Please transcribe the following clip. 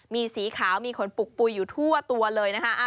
มีสีขาวมีขนปุกปุ๋ยอยู่ทั่วตัวเลยนะคะ